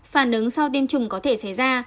phản ứng sau tiêm chủng có thể xảy ra